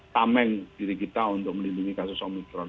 tameng diri kita untuk melindungi kasus omikron